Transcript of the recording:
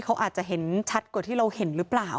เขาอาจจะเห็นชัดกว่าที่เราเห็นหรือเปล่า